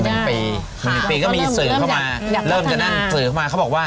หนึ่งปีหนึ่งปีก็มีสื่อเข้ามาเริ่มจะนั่นสื่อเข้ามาเขาบอกว่า